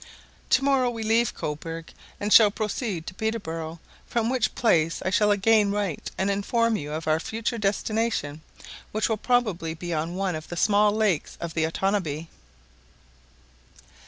To morrow we leave Cobourg, and shall proceed to Peterborough, from which place I shall again write and inform you of our future destination, which will probably be on one of the small lakes of the Otanabee.